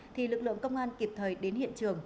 thì lực lượng công an kịp thời đến hiện trường